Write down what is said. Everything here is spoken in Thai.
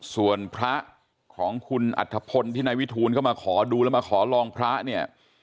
ส่วนพระของคุณอัธพลที่นายวิทูลเข้ามาขอดูแล้วมาขอลองพระเนี่ย